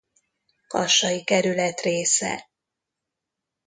Kassai Kerület része.